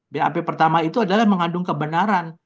bap pertama itu adalah mengandung kebenaran